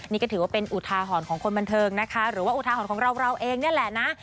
นี่ก็ถือว่าเป็นอุทาหรณ์ของคนบันเทิงนะคะหรือว่าอุทาหรณ์ของเราเราเองนี่แหละนะ